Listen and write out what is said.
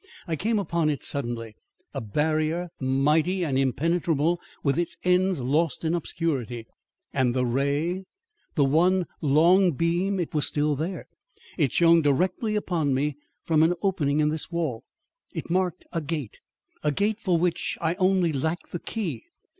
I came upon it suddenly; a barrier mighty and impenetrable with its ends lost in obscurity. And the ray! the one long beam! It was still there. It shone directly upon me from an opening in this wall. It marked a gate, a gate for which I only lacked the key.